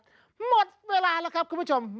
คงตกตั้งแต่แรกละครับคุณผู้ชมครับ